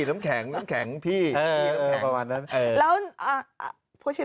น้ำแข็งน้ำแข็งพี่อะไรประมาณนั้นเออแล้วอ่าผู้ชิ